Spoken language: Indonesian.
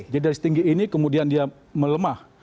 jadi dari setinggi ini kemudian dia melemah